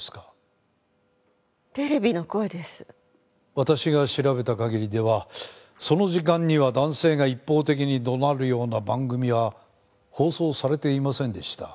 私が調べた限りではその時間には男性が一方的に怒鳴るような番組は放送されていませんでした。